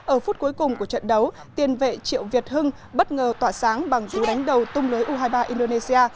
ở phút cuối cùng của trận đấu tiền vệ triệu việt hưng bất ngờ tỏa sáng bằng phiếu đánh đầu tung lưới u hai mươi ba indonesia